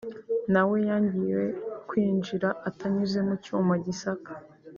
nawe yangiwe kwinjira atanyuze mu cyuma gisaka